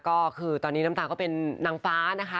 ก็คือตอนนี้น้ำตาลก็เป็นนางฟ้านะคะ